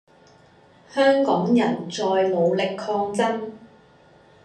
香港人在努力抗爭